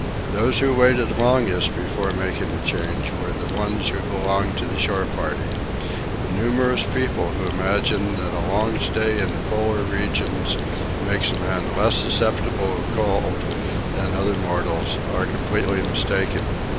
Those who waited longest before making the change were the ones who belonged to the shore party. The numerous people who imagine that a long stay in the Polar regions makes a man less susceptible of cold than other mortals are completely mistaken.